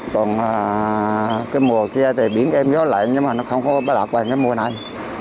còn cái mùa kia thì biển êm gió lạnh nhưng mà nó không có đạt hoàn cái mùa này